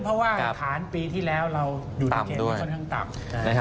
เพราะว่าฐานปีที่แล้วเราอยู่ในเกณฑ์ที่ค่อนข้างต่ำ